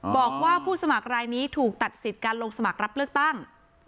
บอกว่าผู้สมัครรายนี้ถูกตัดสิทธิ์การลงสมัครรับเลือกตั้ง